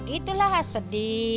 itulah yang sedih